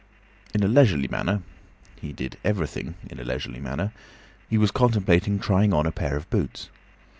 In a leisurely manner—he did everything in a leisurely manner—he was contemplating trying on a pair of boots.